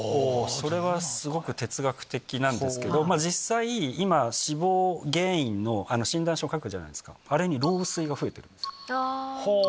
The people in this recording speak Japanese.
それは、すごく哲学的なんですけど、実際、今、死亡原因の診断書書くじゃないですか、あれに老衰が増えてるんでああ。